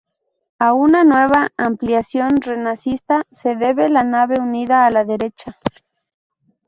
A una nueva ampliación renacentista se debe la nave unida a la derecha.